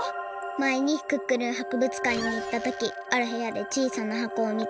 まえにクックルンはくぶつかんにいったときあるへやでちいさなはこをみつけたんだ。